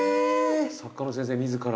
作家の先生自ら。